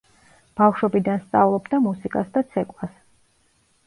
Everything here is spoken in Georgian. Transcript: ბავშვობიდან სწავლობდა მუსიკას და ცეკვას.